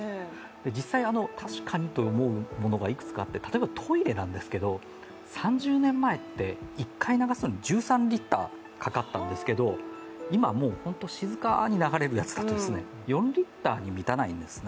実際、確かにと思うものがいくつかあって例えばトイレなんですけれども、３０年前って、１回流すと１３リッターかかったんですけど、今はもうほんと、静かに流れるやつだと４リッターに満たないんですね。